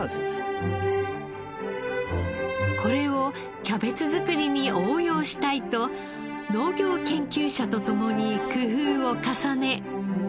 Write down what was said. これをキャベツ作りに応用したいと農業研究者とともに工夫を重ね